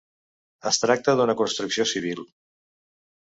Es tracta d'una construcció civil: